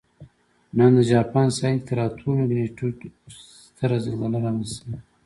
نن د جاپان ساحل کې تر اتو مګنیټیوډ ستره زلزله رامنځته شوې